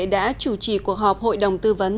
đã chủ trì cuộc họp hội đồng tư vấn